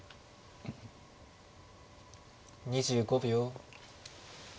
２５秒。